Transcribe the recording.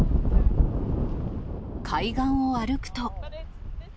海岸を歩くと。